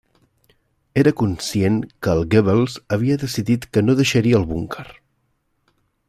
Era conscient que el Goebbels havia decidit que no deixaria el búnquer.